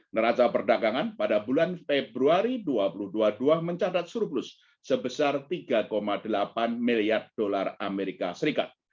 neraca perdagangan pada bulan februari dua ribu dua puluh dua mencatat surplus sebesar tiga delapan miliar dolar amerika serikat